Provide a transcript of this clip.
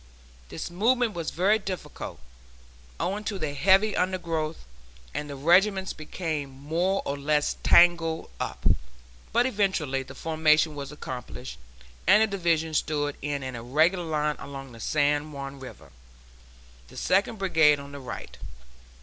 This movement was very difficult, owing to the heavy undergrowth, and the regiments became more or less tangled up, but eventually the formation was accomplished, and the Division stood in an irregular line along the San Juan River, the Second Brigade on the right.